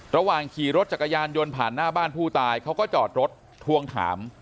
ระหว่างขี่รถจักรยานยนต์ผ่านหน้าบ้านผู้ตายเขาก็จอดรถทวงถาม